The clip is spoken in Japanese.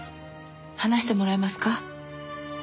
話してもらえますか。